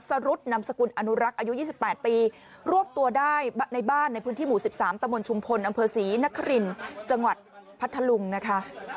รุดนำสกุลอนุรักษ์อายุ๒๘ปีรวบตัวได้ในบ้านในพื้นที่หมู่๑๓ตะมนตชุมพลอำเภอศรีนครินจังหวัดพัทธลุงนะคะ